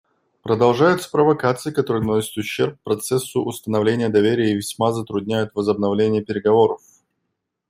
Продолжаются провокации, которые наносят ущерб процессу установления доверия и весьма затрудняют возобновление переговоров.